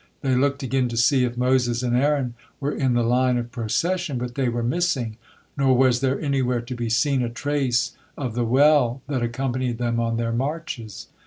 They looked again to see if Moses and Aaron were in the line of procession, but they were missing, nor was there anywhere to be seen a trace of the well that accompanied them on their marches.